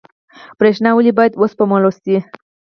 برښنا ولې باید وسپمول شي؟